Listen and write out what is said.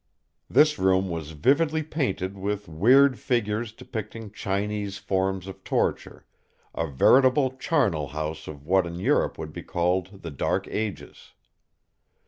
This room was vividly painted with weird figures depicting Chinese forms of torture, a veritable charnel house of what in Europe would be called the Dark Ages.